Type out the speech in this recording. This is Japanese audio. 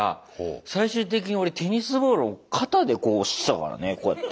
最終的に俺テニスボールを肩でこう押してたからねこうやって。